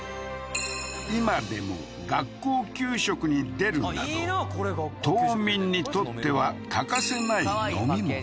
今でも学校給食に出るなど島民にとっては欠かせない飲み物